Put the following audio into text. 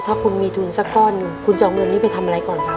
ถ้าคุณมีทุนสักก้อนหนึ่งคุณจะเอาเงินนี้ไปทำอะไรก่อนครับ